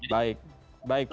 baik baik pak fika